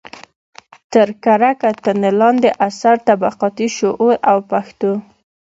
تر کره کتنې لاندې اثر: طبقاتي شعور او پښتو